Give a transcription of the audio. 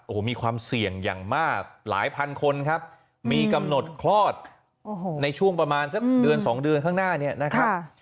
โอ้โหมีความเสี่ยงอย่างมากหลายพันคนครับมีกำหนดคลอดในช่วงประมาณสักเดือนสองเดือนข้างหน้าเนี่ยนะครับ